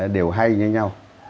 đều hay như nhau